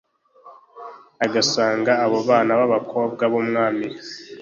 agasanga abo bana b'abakobwa b'umwami